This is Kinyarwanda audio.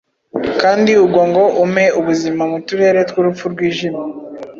kandi ugwa ngo umpe ubuzima mu turere tw'urupfu rwijimye.